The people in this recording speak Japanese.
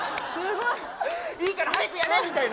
いいから速くやれみたいな。